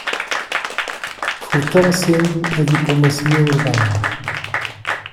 Fortalecendo a diplomacia urbana